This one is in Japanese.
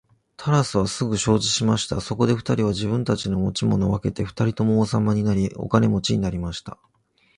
タラスはすぐ承知しました。そこで二人は自分たちの持ち物を分けて二人とも王様になり、お金持になりました。